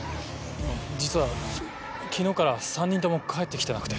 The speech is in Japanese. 実は昨日から３人とも帰って来てなくて。